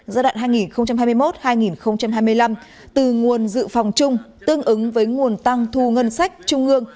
giai đoạn hai nghìn hai mươi một hai nghìn hai mươi năm từ nguồn dự phòng chung tương ứng với nguồn tăng thu ngân sách trung ương